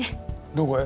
どこへ？